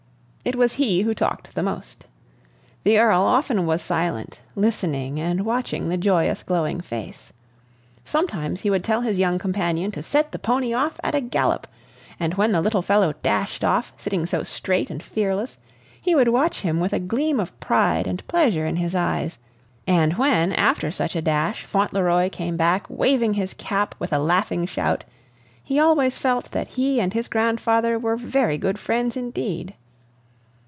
It was he who talked the most. The Earl often was silent, listening and watching the joyous, glowing face. Sometimes he would tell his young companion to set the pony off at a gallop, and when the little fellow dashed off, sitting so straight and fearless, he would watch him with a gleam of pride and pleasure in his eyes; and when, after such a dash, Fauntleroy came back waving his cap with a laughing shout, he always felt that he and his grandfather were very good friends indeed.